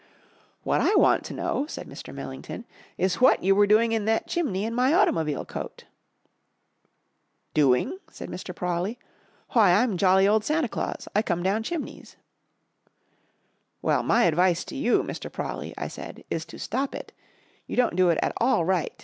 "What I want to know," said Mr. Millington, "is what you were doing in that chimney in my automobile coat?" "Doing?" said Mr. Prawley. "Why, I'm jolly old Santa Claus. I come down chimneys." "Well, my advice to you, Mr. Prawley," I said, "is to stop it. You don't do it at all right.